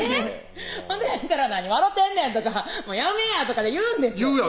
ほんで「なに笑てんねん」とか「やめぇや」とか言うんですよ